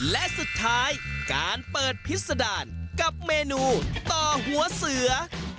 และสุดท้ายการเปิดพิษดารกับเมนูต่อหัวเสือ